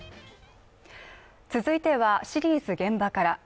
続いては、シリーズ「現場から」